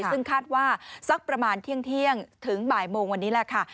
ซึ่งคาดว่าสักประมาณเที่ยงถึงบ่ายโมงวันนี้แหละค่ะ